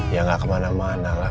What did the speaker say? ya gak kemana mana lah